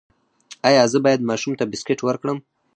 ایا زه باید ماشوم ته بسکټ ورکړم؟